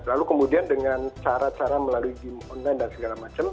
lalu kemudian dengan cara cara melalui game online dan segala macam